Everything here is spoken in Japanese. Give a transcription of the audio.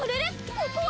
ここは？